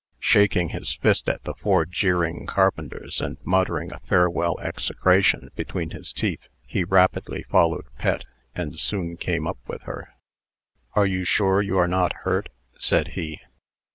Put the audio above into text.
Shaking his fist at the four jeering carpenters, and muttering a farewell execration between his teeth, he rapidly followed Pet, and soon came up with her. "You are sure you are not hurt?" said he.